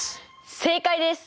正解です！